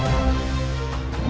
dari mana saja